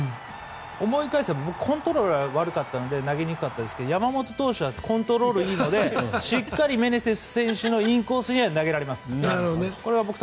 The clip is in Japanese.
思い返せば僕コントロール悪かったので投げにくかったですが山本選手はコントロールいいのでしっかりメネセス選手のインコース投げられます。